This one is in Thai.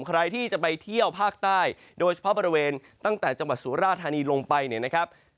ใครที่จะไปเที่ยวภาคใต้โดยเฉพาะบริเวณตั้งแต่จังหวัดสุราธานีลงไปเนี่ยนะครับ